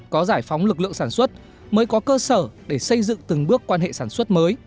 có giải phóng lực lượng sản xuất mới có cơ sở để xây dựng từng bước quan hệ sản xuất mới